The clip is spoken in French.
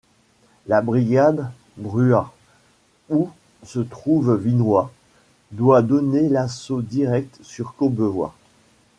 La brigade Bruat, où se trouve Vinoy, doit donner l’assaut direct sur Courbevoie.